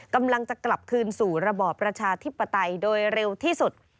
กำลังจะกลับคืนสู่ระบอบประชาธิปไตยโดยเร็วที่สุด